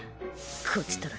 こちとら